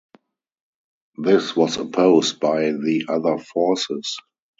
This was opposed by the other forces.